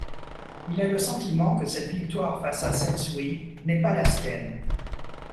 Il a le sentiment que cette victoire face à Sensui n'est pas la sienne.